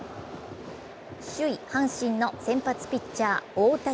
首位・阪神の先発ピッチャー・大竹。